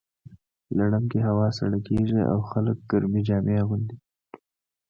لړم کې هوا سړه کیږي او خلک ګرمې جامې اغوندي.